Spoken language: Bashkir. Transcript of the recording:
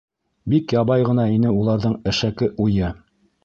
Бик ябай ғына ине уларҙың әшәке уйы.